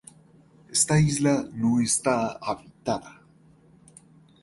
Esta isla no está habitada.